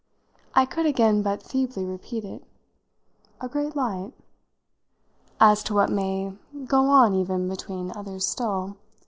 I could again but feebly repeat it. "A great light?" "As to what may go on even between others still.